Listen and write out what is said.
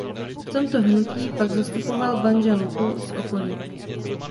V tomto hnutí pak zastupoval Banja Luku s okolím.